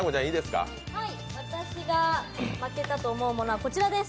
私が負けたと思うものは、こちらです。